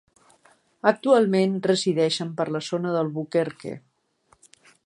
Actualment resideixen per la zona d'Albuquerque.